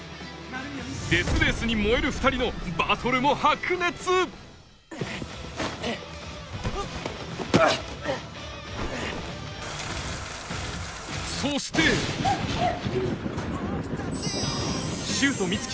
デス・レースに燃える２人のバトルも白熱そしてイヤイヤ。